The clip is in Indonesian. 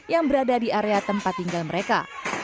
yang berada di area tempat tinggal mereka